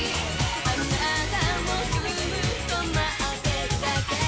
あなたをずっと待ってるだけ